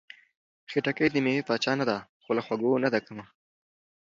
خټکی د مېوې پاچا نه ده، خو له خوږو نه ده کمه.